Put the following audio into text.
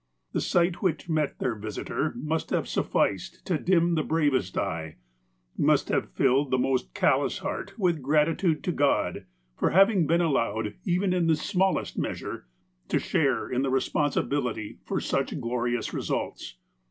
The sight which met their visitor must have sufficed to dim the bravest eye, must have filled the most callous heart with gratitude to God for having been allowed, even in the smallest measure, to share in the responsi bility for such glorious results.